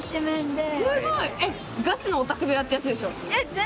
すごい！えっガチのオタク部屋ってやつでしょ？